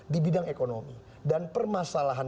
di bidang ekonomi dan permasalahan